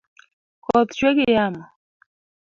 Koth chwe gi yamo